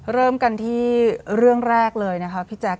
เริ่มกันที่เรื่องแรกเลยนะคะพี่แจ๊ค